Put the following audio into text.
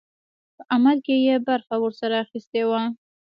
په عمل کې یې برخه ورسره اخیستې وه.